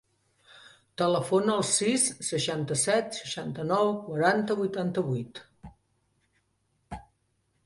Telefona al sis, seixanta-set, seixanta-nou, quaranta, vuitanta-vuit.